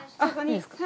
いいですか？